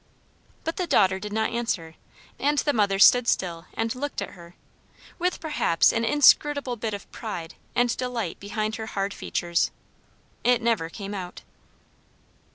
But the daughter did not answer, and the mother stood still and looked at her, with perhaps an inscrutable bit of pride and delight behind her hard features. It never came out.